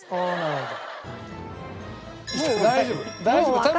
大丈夫。